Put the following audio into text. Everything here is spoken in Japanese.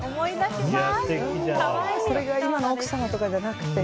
それが今の奥様とかじゃなくて。